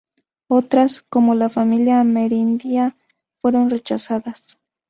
Otras, como la familia amerindia, fueron rechazadas.